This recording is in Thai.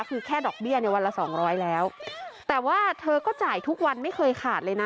คือแค่ดอกเบี้ยเนี่ยวันละสองร้อยแล้วแต่ว่าเธอก็จ่ายทุกวันไม่เคยขาดเลยนะ